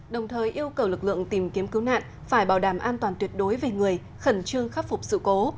đồng thời yêu cầu lực lượng tìm kiếm cứu nạn phải bảo đảm an toàn tuyệt đối về người khẩn trương khắc phục sự cố